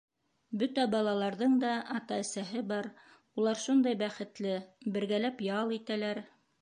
Бөтә балаларҙың да ата-әсәһе бар, улар шундай бәхетле, бергәләп ял итәләр.